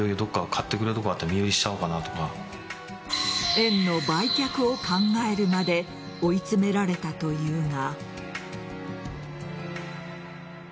園の売却を考えるまで追い詰められたというが。